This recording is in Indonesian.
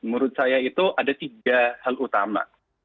menurut saya itu ada tiga hal utama